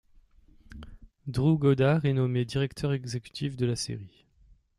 Drew Goddard est nommé directeur exécutif de la série.